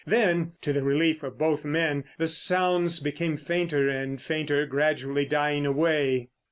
Then, to the relief of both men, the sounds became fainter and fainter, gradually dying away.